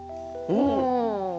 うん。